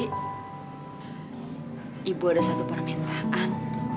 ibu ada satu permintaan